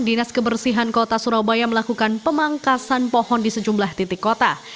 dinas kebersihan kota surabaya melakukan pemangkasan pohon di sejumlah titik kota